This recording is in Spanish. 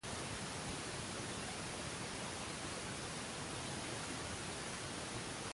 Juega de defensa en Deportes La Serena de la Primera División B de Chile.